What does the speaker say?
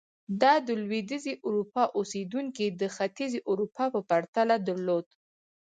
دا د لوېدیځې اروپا اوسېدونکو د ختیځې اروپا په پرتله درلود.